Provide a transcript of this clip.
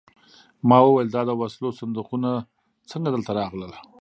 ما وویل دا د وسلو صندوقونه څنګه دلته راغلل